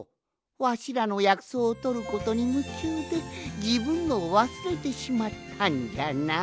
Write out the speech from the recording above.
わしらのやくそうをとることにむちゅうでじぶんのをわすれてしまったんじゃな。